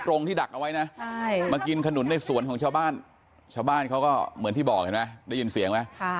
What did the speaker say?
กลับบ้านแล้วลูกกลับบ้านแล้วจะไปอยู่ใกล้จุดตอนนู้นโอ้โฮ